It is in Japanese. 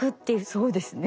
そうですね。